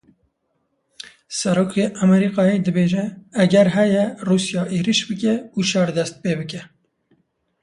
Serokê Amerîkayê dibêje, eger heye Rûsya êriş bike û şer dest pê bike.